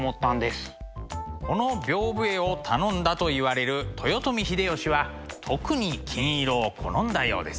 この屏風絵を頼んだといわれる豊臣秀吉は特に金色を好んだようです。